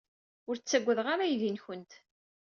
Ur ttaggadeɣ ara aydi-nwent.